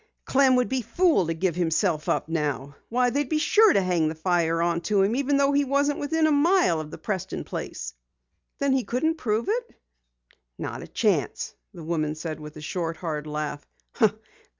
"Clem would be a fool to give himself up now! Why, they'd be sure to hang the fire onto him, even though he wasn't within a mile of the Preston place." "Then couldn't he prove it?" "Not a chance," the woman said with a short, hard laugh.